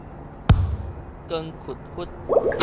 光 𣮈𣮈